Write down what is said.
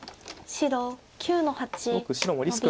白９の八。